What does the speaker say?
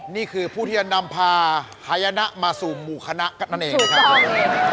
นี่คือผู้ที่จะนำพาหายนะมาสู่หมู่คณะกันนั่นเองนะครับ